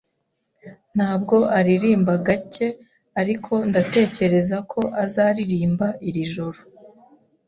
Ntabwo aririmba gake, ariko ndatekereza ko azaririmba iri joro.